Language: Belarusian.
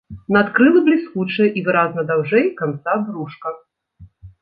Надкрылы бліскучыя і выразна даўжэй канца брушка.